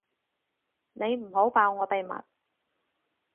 你唔好爆我秘密